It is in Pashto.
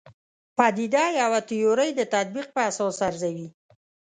پدیده پوه تیورۍ د تطبیق په اساس ارزوي.